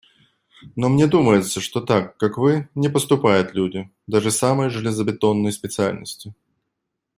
Но мне думается, что так, как вы, не поступают люди… даже самой железобетонной специальности.